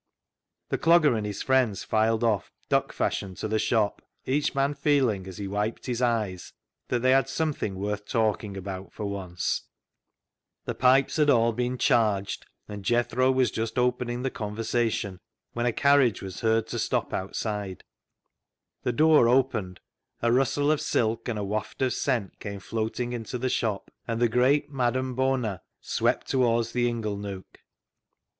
The Clogger and his friends filed off, duck fashion, to the shop, each man feeling as he wiped his eyes that they had something worth talking about for once. The pipes had all been charged, and Jethro was just opening the conversation, when a carriage was heard to stop outside. The door opened ; a rustle of silk and a waft of scent came floating into the shop, and the great Madame Bona swept towards the ingle nook.